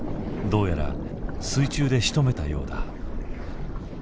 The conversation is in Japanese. どうやら水中でしとめたようだ。